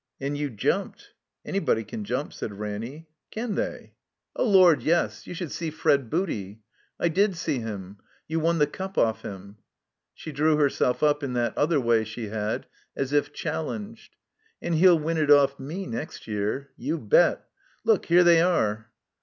' 'And you jumped !"^ "Anybody can jump," said Ranny. "Can they?" 83 THE COMBINED MAZE *'0h, Lord, yes. You should see Fred Booty." "I did see him. You won the cup oflf him." ' She drew herself up, in that other way she had, as if challenged. "And he'll win it oflf me next year. You bet. Look — ^here they are."